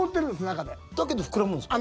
だけど膨らむんですか？